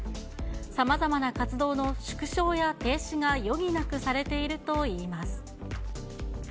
さまざまな活動の縮小や停止が余儀なくされているといいます。